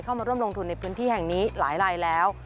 เข้ามาร่วมลงทุนในพื้นที่แห่งนี้หลายลายแล้ว